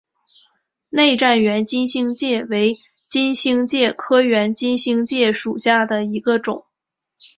内战圆金星介为金星介科圆金星介属下的一个种。